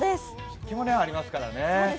湿気もありますからね。